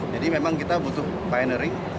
jadi memang kita butuh pioneering